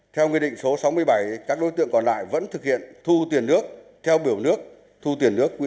theo nguyên định số sáu mươi bảy các đối tượng còn lại vẫn thực hiện thu tiền nước theo biểu nước thu tiền nước